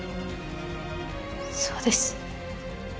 そうです。